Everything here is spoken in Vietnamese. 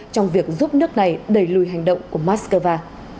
trong việc giúp nước này đẩy lùi hành động của moscow